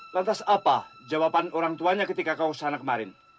lantas apa jawaban orang tuanya ketika kau kesana kemarin